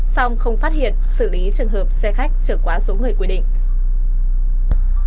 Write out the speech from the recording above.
sau không phát hiện xử lý trường hợp xe khách chở quá số người quy định